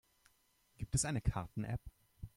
Gibt es eine Karten-App?